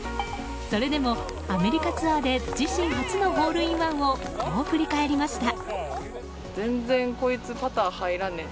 それでも、アメリカツアーで自身初のホールインワンをこう振り返りました。